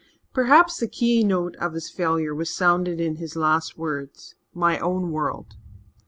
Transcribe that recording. Perhaps the keynote of his failure was sounded in his last words, "my own world."